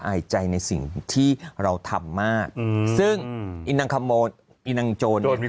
อายใจในสิ่งที่เราทำมากซึ่งนางขโมนนางโจรโจรมี